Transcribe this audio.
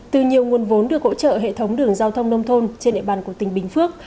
từ nhiều nguồn vốn được hỗ trợ hệ thống đường giao thông nông thôn trên địa bàn của tỉnh bình phước